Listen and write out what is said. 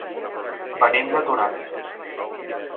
Venim de Toràs.